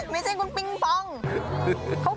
ไม่ใช่คุณปิงปอง